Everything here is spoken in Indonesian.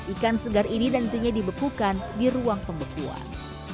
ikan segar ini nantinya dibekukan di ruang pembekuan